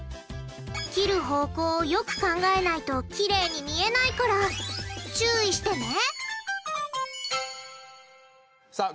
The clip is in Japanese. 切る方向をよく考えないときれいに見えないから注意してね！